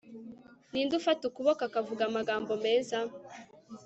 ninde ufata ukuboko akavuga amagambo meza